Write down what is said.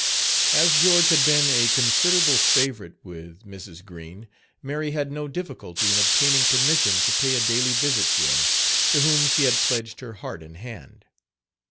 As George had been a considerable favourite with Mrs. Green, Mary had no difficulty in obtaining permission to pay a daily visit to him, to whom she had pledged her heart and hand.